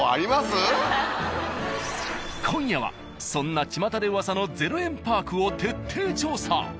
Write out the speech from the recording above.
［今夜はそんなちまたで噂の０円パークを徹底調査］